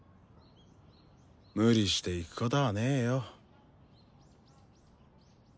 無理して行くこたぁねよ。